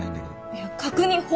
いや確認。